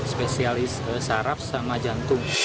spesialis saraf sama jantung